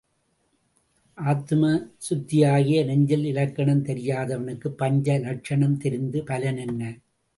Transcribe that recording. ஆத்தும சுத்தியாகிய நெஞ்சில் இலக்கணம் தெரியாதவனுக்குப் பஞ்ச லக்ஷணம் தெரிந்து பலன் என்ன?